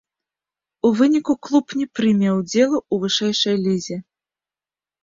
У выніку клуб не прыме ўдзелу ў вышэйшай лізе.